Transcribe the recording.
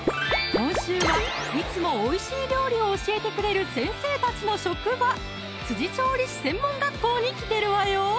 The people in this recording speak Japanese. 今週はいつもおいしい料理を教えてくれる先生たちの職場・調理師専門学校に来てるわよ